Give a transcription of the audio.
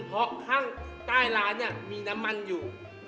เพราะถ้างท่าล้านมีน้ำมันอยู่